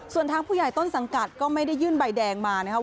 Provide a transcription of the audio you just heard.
ส่วนทางผู้ใหญ่ต้นสังกัดก็ไม่ได้ยื่นใบแดงมานะครับ